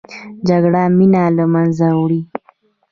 جګړه مینه له منځه وړي